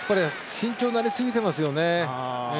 慎重になりすぎていますよね。